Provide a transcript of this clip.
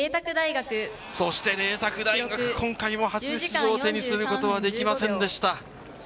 そして麗澤大学、今回も初出場を手にすることはできませんでした。